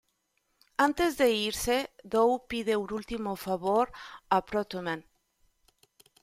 Antes de irse, Duo pide un último favor a Proto Man.